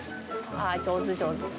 上手、上手。